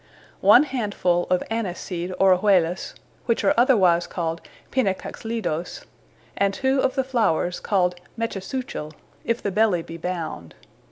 One handfull of Annis seed Orejuelas, which are otherwise called Pinacaxlidos: and two of the flowers, called Mechasuchil, if the Belly be bound.